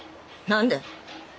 何で？